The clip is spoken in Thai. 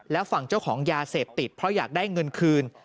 และฝั่งเจ้าของยาเสพติดเพราะอยากได้เงินคืน